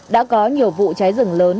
đã có nhiều vụ cháy rừng lớn